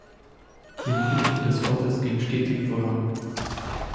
Die Entwicklung des Ortes ging stetig voran.